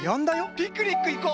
ピクニックいこう！